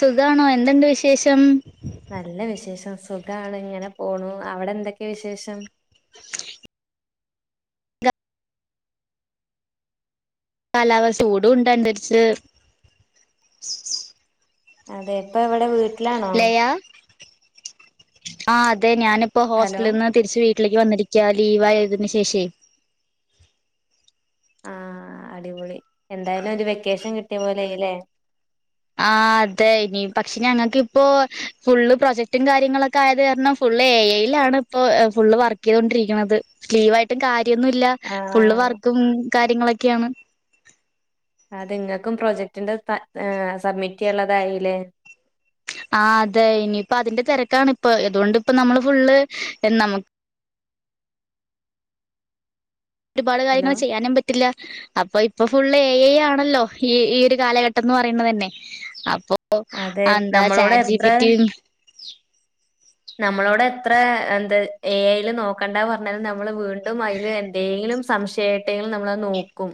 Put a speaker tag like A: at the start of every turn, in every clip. A: സുഖാണോ എന്തുണ്ട് വിശേഷം
B: നല്ല വിശേഷം സുഖാണ് ഇങ്ങനെ പോണു അവിടെ എന്തൊക്കെയ വിശേഷം
A: കാലാവസ്ഥ ഓട ഇണ്ടണ്ടിരിച്ച
B: അതെ ഇപ്പൊ എവിടെ വീട്ടിലാണോ
A: ആ അതെ ഞാനിപ്പോ
B: ഹലോ
A: ഹോസ്റ്റലിൽ നിന്ന് തിരിച്ച് വീ വീട്ടിലേക്ക് വന്നിരിക്ക ലീവായതിന് ശേഷേ
B: ആ അടിപൊളി എന്തായാലും ഒരു വെക്കേഷൻ കിട്ടിയ പോലെല്ലേ
A: ആ അതെ ഇനി പക്ഷേ ഞങ്ങൾക്ക് ഇപ്പോ ഫുള്ള് പ്രൊജക്ടും കാര്യങ്ങളൊക്കെ ആയത് കാരണം ഫു ള്ളേ ഐലാണ് ഇപ്പൊ ഫുള്ള് വർക്ക്‌ യ്തോണ്ടിരിക്കണത്. ലീവായിട്ടും കാര്യ [inaudible] ന്ന്ല്ല ഫുള്ള്
B: ആഹ്
A: വർക്കും കാര്യങ്ങളൊക്കെയാണ്
B: അത് നിങ്ങൾക്കും പ്രോജക്ടിന്റെ സബ്മിറ്റ് ചെയ്യുള്ളതായില്ലേ
A: ആ അതെ ഇനിയിപ്പ അതിന്റെ തിരക്കാണ് ഇപ്പ അതുകൊണ്ട് ഇപ്പ നമ്മള് ഫുള്ള് നമക്ക് ഒരുപാട്
B: ഹലോ
A: കാര്യങ്ങൾ ചെയ്യാനും പറ്റില്ല അപ്പൊ അപ്പൊ ഫുള്ള് എ ഐ ആണല്ലോ ഈ ഈ ഒരു കാലഘട്ടം ന്ന് പറയണ തന്നെ അപ്പൊ ഓ
B: അതെ
A: എന്താ
B: നമ്മളോട്
A: ചാറ്റ്
B: എത്ര
A: ജിബി റ്റ
B: ത്ര എന്താ ഏയ്ല് നോക്കണ്ട പറഞ്ഞാലു നമ്മള് വീണ്ടും അതിൽ എന്തെങ്കിലും സംശയട്ടെങ്കിലും നമ്മളത് നോക്കും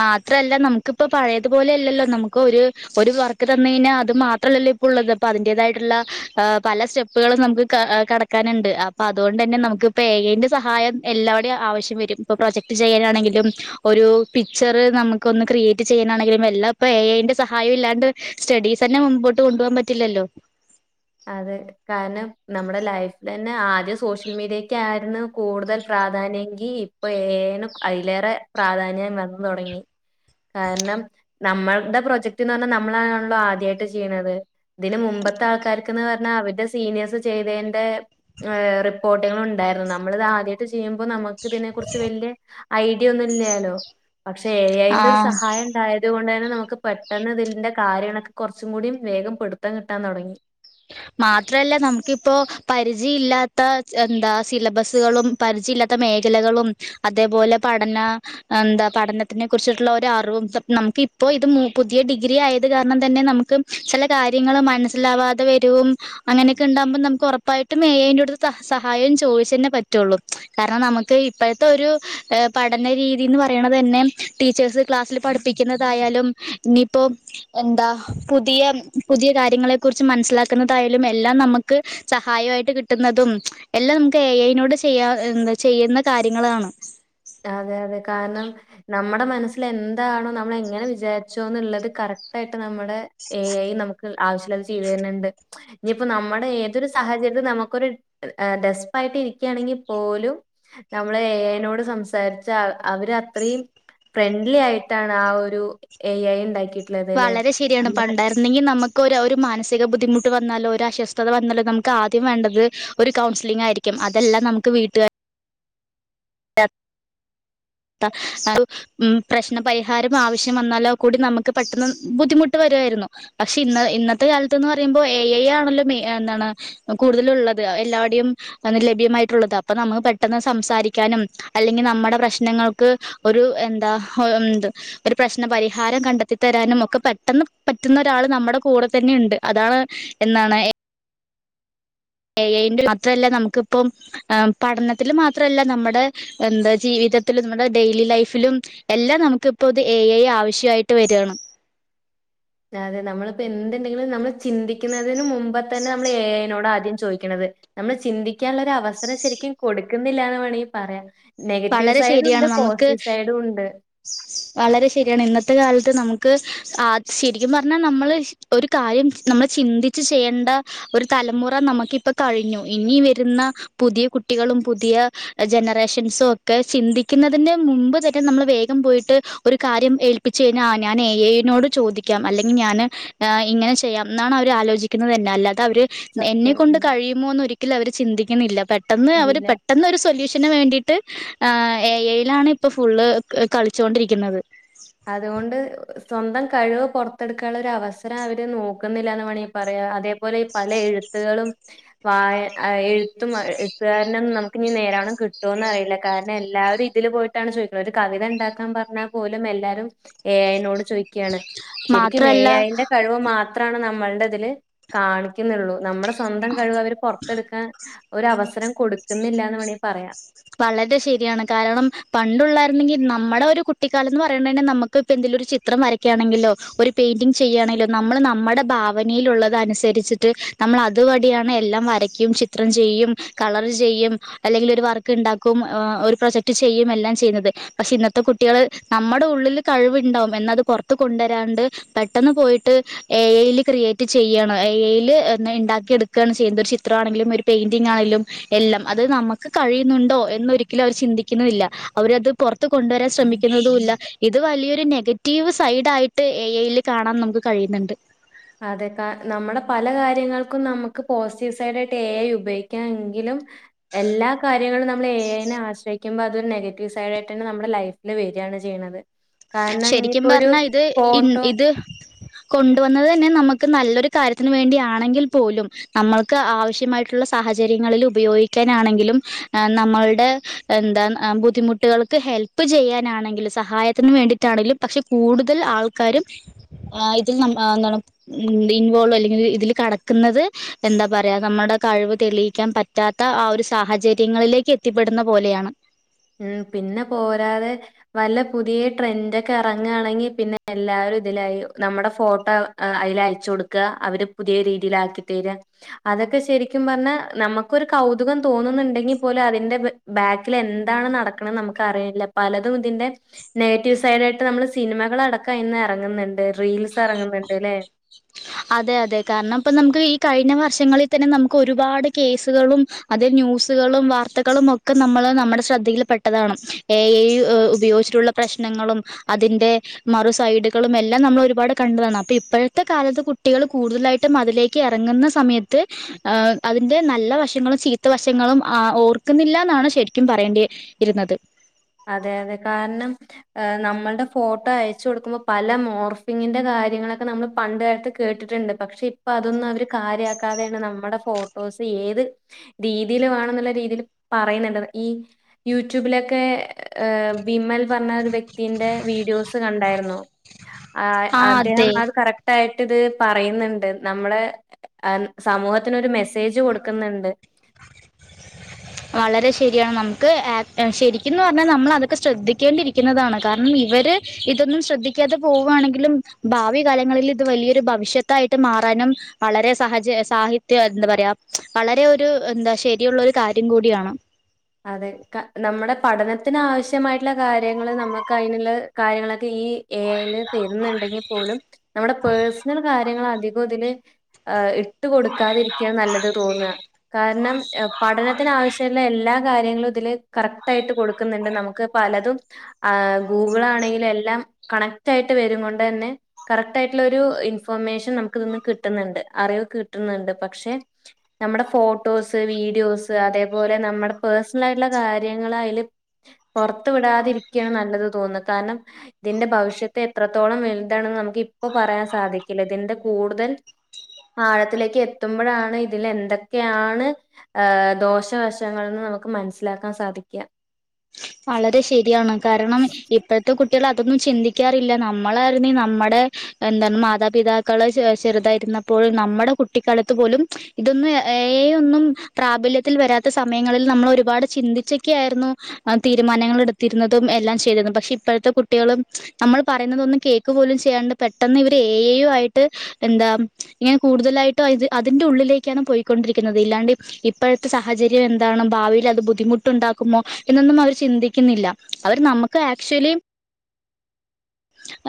A: മാത്രല്ല നമുക്കിപ്പ പഴയതുപോലെ അല്ലല്ലോ നമുക്ക് ഒരു ഒരു വർക്ക് തന്ന കഴിഞ്ഞാൽ അത് മാത്രല്ലോ അതിന്റതായിട്ടുള്ള പല സ്റ്റെപ്പ്കളും നമുക്ക് കടക്കാനുണ്ട് അപ്പ അതുകൊണ്ട് തന്നെ ന നമുക്കിപ്പോ ഏഐന്റെ സഹായം എല്ലാവിടെയും ആവശ്യം വരും ഇപ്പൊ പ്രൊജക്ട് ചെയ്യാനാണെങ്കിലും ഒരു പിക്ചർ നമുക്ക് ഒന്ന് ക്രിയേറ്റ് ചെയ്യാനാണെങ്കില എല്ലാം ഇപ്പം എഐന്റെ സഹായവും ഇല്ലാണ്ട് സ്റ്റഡീസ് തന്നെ മുമ്പ് അട്ട് കൊണ്ടപാൻ പറ്റില്ലല്ലോ
B: അതെ കാരണം നമ്മുടെ ലൈഫിൽ തന്നെ ആദ്യം സോഷ്യൽ മീഡിയക്ക ആയിരുന്നു കൂടുതൽ പ്രാധാന്യംങ്കി ഇപ്പൊ ഏനും അതിലേറെ പ്രാധാന്യം വന്നു തുടങ്ങി കാരണം നമ്മളുടെ പ്രൊജക്ട്ന്ന് പറഞ്ഞാൽ നമ്മളാണല്ലോ ആദ്യമായിട്ട് ചെയ്യുന്നത് ഇതിന് മുമ്പ് ബത്ത ആൾക്കാര ക്കിയെന്നു പറഞ്ഞാൽ അവരുടെ സീനിയേഴ്സ് ചെയ്തതിന്റെ ഏഹ് റിപ്പോർട്ടുകൾ ഉണ്ടായിരുന്നു, നമ്മളിത് ആദ്യായിട്ട് ചെയ്യു ചെയ്യുമ്പോ നമുക്ക് ഇതിനെ കുറിച്ച് വെല്യ ഐഡിയ ഒന്നും ഇല്ലാലോ. പക്ഷെ എ ഐന്റെ ഒരു
A: ആ
B: സഹായം ഇണ്ടായത് കൊണ്ട് തന്നെ. നമുക്ക് പെട്ടെന്ന് ഇതിന്റെ കാര്യങ്ങളൊക്കെ കുറച്ചും കൂടി വേഗം പിടുത്തം കിട്ടാൻ തുടങ്ങി
A: മാത്രല്ല നമുക്കിപ്പോ പരിചയം ഇല്ലാത്ത എന്താ സിലബസുകളും പരിചയ ഇല്ലാത്ത മേഖലകളും അതേപോലെ പഠന എന്താ പഠനത്തിനെക്കുറിച്ചിട്ടുള്ള ഒരു അറിവും. നമുക്ക് ഇപ്പോ ഇത് മു പുതിയ ഡിഗ്രി ആയത് കാരണം തന്നെ നമുക്ക് ചില കാര്യങ്ങൾ മനസ്സിലാവാതെ വരും. റ്റും അങ്ങനെയൊക്കെ ഇണ്ടാവുമ്പോ നമുക്ക് ഉറപ്പായിട്ടും എ ഐന്റെ അടുത്ത്‌ സഹായം ചോദിച്ചു തന്നെ പറ്റുള്ളൂ. കാരണം നമുക്ക് ഇപ്പോഴത്തെ ഒരു ഏഹ് പഠനരീതിയെന്ന് പറയണത് തന്നെ ടീച്ചേഴസ് ക്ലാസ്സിൽ പഠിപ്പിക്കും. ന്നതായാലും ഇനിപ്പോ എന്താ പുതിയ പുതിയ കാര്യങ്ങളെ കുറിച്ച് മനസിലാക്കി. ക്കുന്നതായാലും എല്ലാം നമുക്ക് സഹായവായിട്ട് കിട്ടുന്നതും എല്ലാം നമുക്ക് എ ഐനോട്‌ ചെയ്യായിരുന്നു. ചെയ്യുന്ന കാര്യങ്ങളാണ്.
B: അതെ അതെ കാരണം നമ്മുടെ മനസ്സിൽ എന്താണോ നമ്മള് എങ്ങനെ വിചാരിച്ചോന്നുള്ളത് കറക്റ്റ് ആയിട്ട് നമ്മുടെ എ ഐ നമ്ക്ക് ആവശ്യുള്ളത് ചെയ്ത് തര്ണണ്ട് ഇനിപ്പോ നമ്മുടെ ഏതൊരു സാഹചര്യത്തിൽ നമുക്കൊരു ഏഹ് ഡെസ്പ് ആയിട്ട് ഇരിക്കാണെങ്കിൽ പോലും നമ്മള് എ ഐ നോട്‌ സംസ് സാരിച്ച അവര് അത്രയും ഫ്രണ്ട്ലി ആയിട്ടാണ് ആ ഒരു എ ഐ ഇണ്ടാക്കി
A: വളരെ ശരിയാണ് പണ്ടായിരുന്നെങ്കിൽ നമു ക്കൊരു ഒരു മാനസിക ബുദ്ധിമുട്ട് വന്നാലോ ഒരു അശ്വസ്ഥത വന്നാലോ നമുക്ക് ആദ്യം വേണ്ടത് ഒരു കൗൺസിലിംഗ് ആയിരിക്കും അതെല്ലാം നമുക്ക് വീട്ടുകാ ഏഹ് [unintelligible] പ്രശ്നപരിഹാരം ആവശ്യം വന്നാലോ കൂടി നമുക്ക് പെട്ടെന്ന് ബുദ്ധിമുട്ട് വര യിരുന്നു പക്ഷെ ഇന്ന ഇന്നത്തെ കാലത്തിന് പറയുമ്പോൾ എ ഐ ആണല്ലോ മെയി ഏഹ് എന്താണ് കൂടുതലുള്ളത്. എല്ലാവടെയും ലഭ്യമായിട്ടുള്ളത് അപ്പ നമുക്ക് പെട്ടെന്ന് സംസാരിക്കാനും അല്ലെങ്കിൽ നമ്മടെ പ്രശ്ന നിങ്ങൾക്ക് ഒരു എന്താ ആഹ് എന്താ ഒരു പ്രശ്നപരിഹാരം കണ്ടെത്തിത്തരാനും ഒക്കെ പെട്ടെ ഒപ്പം പറ്റുന്ന ഒരാള് നമ്മുടെ കൂടെ തന്നെ ഉണ്ട്, അതാണ് എന്താണ്. എ ഐന്റെ മാത്രല്ല നമുക്കിപ്പം പഠനത്തിൽ മാത്രല്ല നമ്മുടെ എന്താ ജീവി ചുറ്റത്തിലും നമ്മുടെ ഡെയിലി ലൈഫിലും എല്ലാം നമുക്ക് ഇപ്പോ ഇത് എ ഐ ആവശ്യായിട്ട് വരാണ്.
B: അതെ നമ്മളിപ്പോ എന്ത്‌ണ്ടെങ്കിലും നമ്മള് ചിന്തിക്കുന്നതിന് മുമ്പത്തന്നെ നമ്മൾ എ ഐനോട് ആദ്യം ചോദിക്കണത് ഇപ്പൊ നമ്മള് ചിന്തിക്കാനുള്ള ഒരു അവസരം ശരിക്കും കൊടുക്കുന്നില്ലാന്ന് വേണെങ്കിൽ പറയാം. നെഗറ്റീവ്
A: വളരെ
B: സൈഡും ഉണ്ട്
A: ശരിയാണ് നമുക്ക്
B: പോസിറ്റീവ് സൈഡും ഉണ്ട്.
A: [unintelligible] വളരെ ശരിയാണ് ഇന്നത്തെ കാലത്ത് നമുക്ക് ആ ശരിക്കും പറഞ്ഞാൽ നമ്മള് ഒരു കാര്യം നമ്മൾ ചിന്തിച്ച് ചെയ്യണ്ട ഒരു തലമുറ നമുക്കിപ്പോ കഴിഞ്ഞു, ഇന്നി വരുന്ന പുതിയ കുട്ടികൾ. ളും പുതിയ ജനറേഷൻസും ഒക്കെ ചിന്തിക്കുന്നതിന്റെ മുമ്പ് തന്നെ വേഗം. ഗം പോയിട്ട് ഒരു കാര്യം ഏൽപ്പിച്ച് കഴിഞ്ഞാ ആ ഞാൻ എ ഐനോട് ചോദിക്കാം അല്ലെങ്കി ഞാന് ഇങ്ങന ഞാൻ ചെയ്യാം എന്നാണ് അവര് ആലോചിക്കുന്നത് തന്നെ അല്ലെ. ത അവര് എന്നെ
B: സത്യം
A: കൊണ്ട്
B: ഉം
A: കഴിയുമോന്ന് ഒരിക്കലും അവര് ചിന്തിക്ക്ന്നില്ല പെട്ടെന്ന് അവര്
B: ഇല്ല.
A: പെട്ടെന്ന് ഒരു സൊല്യൂഷ ത്തിന് വേണ്ടീട്ട് എ ഐയിലാണ് ഇപ്പൊ ഫുള്ള് കളിച്ചോണ്ടിരിക്കുന്നത്.
B: അതുകൊണ്ട് സ്വന്തം കഴിവ് പുറത്തെടുക്കാനുള്ള ഒരു അവസരം അവര് നോക്കുന്നില്ല എന്ന് വേണെങ്കി പറയാം അതെ പോലെ ഈ പല എഴുത്തുകളും വായ ആഹ് എഴുത്തും എഴുത്തുകാരനെ നമുക്ക് ഇനി നേരാവണ്ണം കിട്ടോന്ന് അറിയില്ല കാരണം എല്ലാ. അവര് ഇതില് പോയിട്ടാണ് ചോയിക്കേണേ ഒരു കവിത ഇണ്ടാക്കാൻ പറഞ്ഞാൽ പോലും എല്ലാ. കും എ ഐയോട് ചോദിക്കാണ് ശരിക്കും എ
A: മാത്രല്ല
B: ഐന്റെ കഴിവ് മാത്രാണ് നമ്മള്. തിൽ കാണിക്ക്ന്നുള്ളൂ നമ്മുടെ സ്വന്തം കഴിവ് അവര് പൊറത്തെടുക്കാൻ ഒരു അവസരം കൊടുക്കുന്നില്ലാന്ന് വേണെങ്കിൽ പറയാം.
A: വളരെ ശരിയാണ് കാരണം പണ്ടയുള്ളായിരുന്നെങ്കിൽ നമ്മടെ ഒരു കുട്ടിക്കാലം എന്ന് പറയണ തന്നെ നമുക്ക് ഇപ്പ എന്തെല്. ലൊരു ചിത്രം വരയ്ക്കാണെങ്കിലോ ഒരു പെയിന്റിംഗ് ചെയ്യാണെങ്കിലോ നമ്മള് നമ്മടെ ഭാവനയിൽ ഉള്ളത് അനുസരിച്ചിട്ട് നമ്മൾ അത് വഴിയാണ് എല്ലാം വരക്കും ചിത്രം ചെയ്യും കളർ ചെയ്യും അല്ലെങ്കിൽ ഒര് വർ ക്ക് ണ്ടാക്കും ഒരു പ്രൊജക്ട് ചെയ്യും എല്ലാം ചെയ്യ്ന്നത് പക്ഷെ ഇന്നത്തെ കുട്ട്യാൾ നമ്മടെ ഉള്ളിൽ കഴിവ ണ്ടാവും എന്നാത് പൊറ്ത്ത്കൊണ്ടരാണ്ട് പെട്ടന്ന് പോയിട്ട് എഐ ൽ ക്രിയേറ്റ് ചെയ്യണം എഐ ൽ ഇണ്ടാക്കി എട്ക്കാണ് ചെയ്യുന്നത് ഒര് ചിത്രാണെങ്കിലും ഒരു പെയിന്റിങ്ങാണേലും എല്ലാം അത് നമ്മക്ക് കഴിയ ന്നുണ്ടോ എന്നൊരിക്കലും അവർ ചിന്തിക്ക്ന്നുല്ല അവരത് പൊറ് ത്ത് കൊണ്ടൊരാൻ ശ്രമിക്കുന്നതൂല്ല ഇത് വലിയൊരു നെഗ റ്റീവ് സൈഡായിട്ട് എഐ ൽ കാണാൻ നമുക്ക് കഴിയുന്നുണ്ട്
B: അതെ കാ നമ്മടെ പല കാര്യങ്ങൾക്കും നമ്മക്ക് പോസിറ്റീവ് സൈഡായിട്ട് എ ഐ ഉപയോഗിക്കാം എങ്കിലും എല്ലാ കാര്യങ്ങളും നമ്മൾ എഐ നെ ആശ്രയിക്കുമ്പോ അതൊരു നെഗറ്റീവ് സൈഡായിട്ടന്നെ നമ്മുടെ ലൈഫിൽ വെര് രാണ് ചെയ്യ്ണത്
A: ശെരിക്കും പറ്ഞ്ഞാ ഇത് ഇ
B: ഫോട്ടോ
A: ഇത് കൊണ്ടുവന്നത് തന്നെ നമുക്ക് നല്ലൊരു കാര്യത്തിന് വേണ്ടിയാണെങ്കിൽ പോലും നമ്മൾക്ക് ആവശ്യമായിട്ടുള്ള സാ ഹചര്യങ്ങളിൽ ഉപയോഗിക്കാനാണെങ്കിലും നമ്മള്ടെ എന്താ ബുദ്ധിമുട്ടുകൾക്ക് ഹെ ൽപ്പ് ചെയ്യാനാണെങ്കിലും സഹായ ത്തിന് വേണ്ടീട്ടാണെങ്കിലും പക്ഷെ കൂടുതൽ ആൾക്കാരും ആ ഇതി ഇൻവോൾവല്ലെങ്കിൽ ഇതിൽ കടക്ക്ന്നത് എന്താ പറയാ നമ്മടെ കഴിവ് തെളിയിക്കാൻ പറ്റാത്ത ആ ഒരു സാ സാഹചര്യങ്ങളിലേക്ക് എത്തിപ്പെടുന്ന പോലെയാണ്
B: മ്മ് പിന്നെ പോരാതെ വല്ല പുതിയ ട്രെൻഡൊക്കെ എറങ്ങാണെങ്കി പിന്നെ എല്ലാ [unintelligible] നമ്മടെ ഫോട്ടോ അ അയ്ലയ്ച്ചൊട്ക്കാ അവര് പുതിയ രീതിലാക്കി തെരാ അതൊക്കെ ശെരിക്കും പറഞ്ഞാ നമ്മക്കൊരു കൗതുകം തോന്നുന്നുണ്ടെങ്കിൽ പോലും അതിന്റെ ബേക്കിൽ എ ന്താണ് നടക്ക്ണെന്ന് നമുക്കറിയില്ല. പലതും ഇതിന്റെ നെറ്റീവ് സൈഡായ്ട്ട് നമ്മൾ സിനിമകളടക്കം എറങ്ങ്ന്ന്ണ്ട് റീൽസെറങ്ങ്ന്ന്ണ്ട്ലേ
A: അതെ അതെ കാരണം പ്പം നമുക്ക് ഈ കഴിഞ്ഞ വർഷങ്ങളിൽ തന്നെ നമുക്ക് ഒരുപാട് കേസുകളും അതെ നൂസുകളും വാർത്തകളും ഒക്കെ നമ്മള് നമ്മടെ ശ്രദ്ധയിൽ പെട്ടതാണ് എഐ ഉപയോഗിച്ചിട്ടുള്ള പ്രശ്നങ്ങളും അതിന്റെ മറുസൈഡുകളും എല്ലാം നമ്മൾ ഒരുപാട് കണ്ടതാണ് അപ്പം ഇപ്പോഴത്തെ കാലത്ത് കു ട്ടികൾ കൂടുതലായിട്ടും അതിലേക്ക് ഇറങ്ങുന്ന സമയത്ത് അതിന്റെ നല്ല വശങ്ങളും ചീത്ത വശങ്ങള് ങ്ങളും ഓർക്കുന്നില്ലാന്നാണ് ശെര്ക്കും പറയേണ്ടി ഇരുന്നത്
B: അതെ അതെ കാരണം നമ്മള്ടെ ഫോട്ടോ അയച്ച് കൊട്ക്കുമ്പോ പല മോർഫിങ്ങിന്റെ കാ കാര്യങ്ങളൊക്കെ നമ്മൾ പണ്ട് കാലത്ത് കേട്ടിട്ടുണ്ട് പക്ഷെ ഇപ്പതൊന്നവര് കാര്യാക്കാതേണ് നമ്മടെ ഫോട്ടോസ് ഏത് രീതീൽ വേണം ന്ന്ള്ള രീതിയിൽ പറയുന്നുണ്ട്ത് ഈ യൂട്യൂബിലൊക്കെ ഏഹ് വിമൽ പറ്ഞ്ഞ ഒരു വ്യക്തിന്റെ വീഡിയോസ് കണ്ടായ്ര്ന്നു ആ അദ്ദേഹം അത് കറക്റ്റ് ആയി ട്ട്ത് പറയ്ന്ന്ണ്ട് നമ്മളെ സമൂഹത്ത്നൊരു മെസ്സേജ് കൊടുക്ക്ന്ന്ണ്ട്
A: വളരെ ശെരിയാണ് നമുക്ക് ശെരിക്ക്ന്ന് പറ്ഞ്ഞാൽ നമ്മളതൊക്കെ ശ്രദ്ധിക്കേണ്ടിരിക്കുന്നതാണ് കാരണം ഇവര് ഇതൊന്നും ശ്രദ്ധിക്കാതെ പോവാണെങ്കിലും ഭാവി കാലങ്ങളിൽ ഇത് വലിയൊരു ഭവിഷത്തായിട്ട് മാറ കാരണം വളരെ സഹച്യ സാഹിത്യ ന്താ പറ്യാ വളരെ ഒരു ശെരിയുള്ളോരു കാ ര്യം കൂടിയാണ്
B: അതെ നമ്മടെ പഠനത്തിന് ആവശ്യമായ്ട്ടുള്ള കാര്യങ്ങള് നമ്മക്ക് അയ്ന് ഈ ഏ ഐ ൽ തര്ന്ന്ണ്ടെങ്കിൽ പോലും നമ്മടെ പേഴ്സണൽ കാര്യങ്ങളധികും ഇതില് കൊടുക്കാതിരിക്കാ നല്ലത് തോന്നാ കാരണം പഠനത്തിന് ആവശ്യള്ള എല്ലാ കാര്യങ്ങള്തില് കറക്റ്റായ്ട്ട് കൊടുക്ക്ന്ന്ണ്ട് നമുക്ക് പലതും ഏ ഗൂഗിളാണെങ്കിലും എല്ലാം കണക്റ്റായിട്ട് വരും കൊണ്ടന്നെ കറക്റ്റായിട്ട്ള്ളൊരു ഇന്ഫോർമേഷൻ നമുക്ക്തിന്ന് കിട്ടുന്ന്ണ്ട് അറിവ് കിട്ന്ന്ണ്ട് പക്ഷെ നമ്മടെ ഫോട്ടോസ് വീഡിയോസ് അതേപോലെ നമ്മ പേഴ്സണൽ ആയിട്ട്ള്ള കാര്യങ്ങളയ്ല് പൊറ്ത്ത് വിടാതിര്ക്ക്യാണ് നല്ലത് തോന്ന കാരണം ഇതിന്റെ ഭവിഷ്യത്തെത്രത്തോളം വല്താണ് നമുക്ക് ഇപ്പോ പറയാൻ സാധിക്കില്ല ഇതിന്റെ കൂടുതൽ ആഴത്തിലേക്ക് എത്തുമ്പോഴാണ് ഇതിൽ എന്തൊക്കെയാണ് ഏ ദോഷവശങ്ങൾന്ന് നമുക്ക് ക്ക് മനസ്സിലാക്കാൻ സാധിക്കാ
A: വളരെ ശരിയാണ് കാരണം ഇപ്പോഴത്തെ കുട്ട ഒരിക്കൽ അതൊന്നും ചിന്തിക്കാറില്ല നമ്മളായിരുന്നു നമ്മുടെ എന്ത മാതാപിതാക്കള് ചെറുതായി ന്നാപ്പോഴ് നമ്മുടെ കുട്ടിക്കാലത്ത് പോലും ഇതൊന്നു എഐ പ്രാബല്യത്തിൽ വരാത്ത സമയങ്ങള് നമ്മൾ ഒരുപാട് ചിന്തിചോക്കെ ആയിരുന്നു തീരുമാനങ്ങൾ എടുത്തിരുന്നതും എല്ലാം ചെയ്തെതും പക്ഷെ ഇപ്പോഴത്തെ കുട്ടികളും നമ്മൾ പറയുന്നത് ഒന്നും കേക്ക പോലും ചെയ്യാണ്ട് പെട്ടെന്ന് ഇവര് എ ഐ ആയിട്ട് എന്താ ഇങ്ങനെ കൂടുതലായിട്ടും അതിന്റെ ഉള്ളിലേക്കാണ് പോയിക്കൊണ്ടിരിക്കുന്നത് ഇല്ലാണ്ട് ഇപ്പോഴത്തെ സാഹചര്യം എന്താണ് ഭാവിയിൽ അത് ബുദ്ധിമുട്ടുണ്ടാക്കുമോ എന്നൊന്നും അവർ ചിന്തിക്കുന്നില്ല അവർ നമുക്ക് ആക്ച്വലി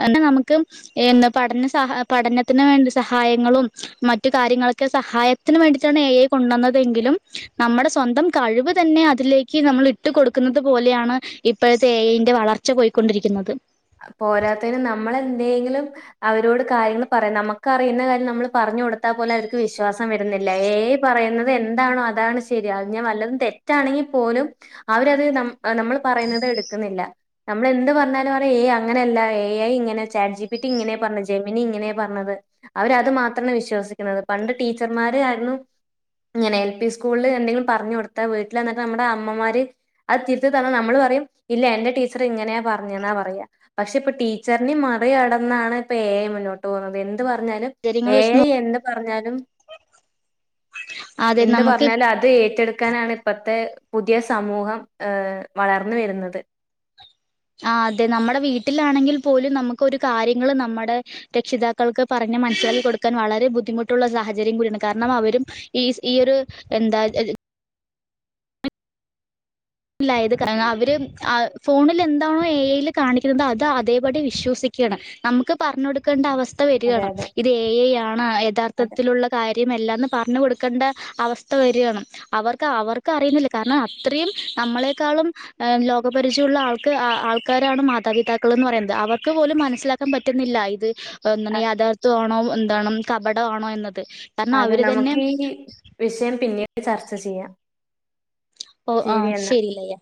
A: എന്ന നമുക്ക് എന്ത് പഠന സഹ പഠനത്തിന് വേണ്ടി സഹായങ്ങളും മറ്റു കാര്യങ്ങളും സഹായത്തിന് വേണ്ടിട്ടാണ് എ ഐ കൊണ്ടു വന്നതെങ്കിലും നമ്മുടെ സ്വന്തം കഴിവ് തന്നെ അതിലേക്ക് നമ്മള് ഇട്ട് കൊടുക്കുന്നത് പോലെയാണ് ഇപ്പോഴത്തെ എ ഐ ന്റെ വളർച്ച പോയ്ക്കൊണ്ടിരിക്കുന്നത്
B: പോരാത്തതിന് നമ്മള് എന്തെങ്കിലും അവരോട് കാര്യങ്ങൾ പറയാം നമുക്ക് അറിയുന്ന കാര്യം നമ്മൾ പറഞ്ഞു കൊടുത്താ പോലും അവർക്ക് വിശ്വാസം വരുന്നില്ല എ ഐ പറ യുന്നത് എന്താണോ അതാണ് ശരി അത് ഞാൻ വല്ലതും തെറ്റാണെങ്കിൽ പോലും അവരത് നമ് നമ്മൾ പറയുന്നത് എടുക്കുന്നില്ല നമ്മൾ എന്ത് പറഞ്ഞാലും എ ഐ അങ്ങനെയല്ല എ ഐ ഇങ്ങനെ ചാറ്റ് ജി പി ടി ഇങ്ങനെയാ പറഞ്ഞത് ജെമിനി ഇങ്ങനെയാ പറഞ്ഞത് അവർ അത് മാത്രം വിശ്വസിക്കുന്നത് പണ്ട് ടീച്ചർമാരെ ആയിരുന്നു ഇങ്ങനെ എൽ പി സ്കൂളിൽ എന്തെങ്കിലും പറഞ്ഞു കൊടുത്താ വീട്ടിവന്നിട്ട് നമ്മുടെ അമ്മമാര് അത് തിരുത്തി തന്ന നമ്മൾ പറയും ഇല്ല എന്റെ ടീച്ചർ ഇങ്ങനെയാ പറഞ്ഞേനെ പറ പക്ഷെ ഇപ്പൊ ടീച്ചറിനേം മറികടന്നാണ് ഇപ്പൊ എ ഐ മുന്നോട്ട് പോകുന്നത് എ എന്ത് പറഞ്ഞാലും
A: സാഹചര്യങ്ങൾ
B: ഏ
A: വെച്ച്
B: ഐ
A: നോ
B: എന്ത് പറഞ്ഞാലും
A: അതെ
B: എന്ത്
A: നമുക്ക്
B: പറഞ്ഞാലും അത് ഏറ്റെടുക്കാനാണ് ഇപ്പത്തെ പുതിയ സമൂഹം ഏഹ് വളർന്നു വരുന്നത്
A: ആ അതെ നമ്മുടെ വീട്ടിലാണെങ്കിൽ പോലും നമുക്ക് ഒരു കാര്യങ്ങൾ നമ്മുടെ രക്ഷിതാക്കൾക്ക് പറഞ്ഞ മനസ്സിലാക്കി കൊടുക്കാൻ വളരെ ബുദ്ധിമുട്ടുള്ള സാഹചര്യം കൂടിയാണ് കാരണം അവരും ഈ ഈ ഒരു എന്താ
B: [unintelligible]
A: ലായിത് കാരണം അവര് ഫോണിൽ എന്താണോ എ ഐ ല് കാണിക്കുന്നത് അത് അതേപടി വിശ്വസിക്ക ണം നമുക്ക് പറഞ്ഞ കൊടുക്കേണ്ട അവസ്ഥ
B: അതെ
A: വരികയാണ്
B: അതെ
A: ഇത് എഐ ആണ്
B: അതെ
A: യഥാർത്ഥത്തിലുള്ള കാര്യം എല്ലാന്ന് പറഞ്ഞു കൊടുക്കേണ്ട അവസ്ഥ വരകയാണ് അവർക്ക് അവർക്ക് അറിയുന്നില്ല കാരണം അത്രയും നമ്മളെക്കാളും ലോകപരിചയമുള്ള ആൾക്ക് ആൾക്കാരാണ് മാതാപിതാക്കൾ എന്ന് പറയുന്നത് അവർക്ക് പോലും മനസ്സിലാക്കാൻ പറ്റുന്നില്ല ഇത്
B: അ
A: എന്താണ് യാഥാർത്ഥ്യമാണോ എന്താണ് കപടമാണോ എന്നത് കാരണം
B: അതെ
A: അവര് തന്നെ
B: നമുക്ക് ഈ വിഷയം പിന്നീട് ചർച്ച ചെയ്യാം
A: ഓ
B: ശരി
A: ആഹ്
B: എന്നാ.
A: ശരില്ലയ്യ